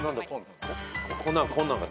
こんなんか。